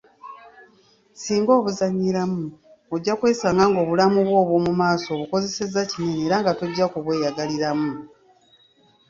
Singa obuzannyiramu ojja kwesanga ng'obulamu bwo obw'omu maaso obukosezza kinene era nga tojja ku bweyagaliramu.